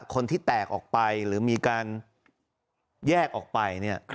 คนที่แตกออกไปหรือมีการแยกออกไปเนี่ย